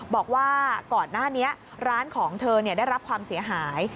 บอกว่าก่อนหน้านี้ร้านของเธอได้รับความเสียหาย